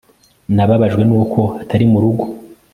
Nababajwe nuko atari murugo